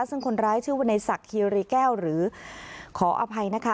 ซึ่งคนร้ายชื่อว่าในศักดิรีแก้วหรือขออภัยนะคะ